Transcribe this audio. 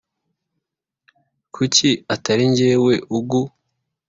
Kuki atarinjyewe ugu